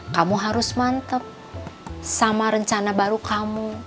kamu harus mantep sama rencana baru kamu